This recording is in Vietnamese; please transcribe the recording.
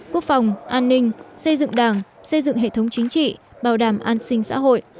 quốc phòng an ninh xây dựng đảng xây dựng hệ thống chính trị bảo đảm an sinh xã hội